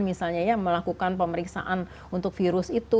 misalnya ya melakukan pemeriksaan untuk virus itu